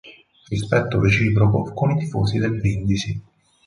Rispetto reciproco con i tifosi del Brindisi.